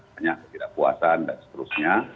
banyak ketidakpuasan dan seterusnya